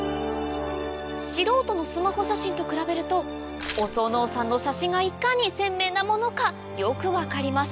素人のスマホ写真と比べると小曽納さんの写真がいかに鮮明なものかよく分かります